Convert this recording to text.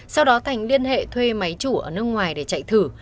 sau đó thành liên hệ thuê máy chủ ở nước ngoài để chạy thử